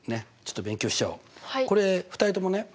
これ２人ともね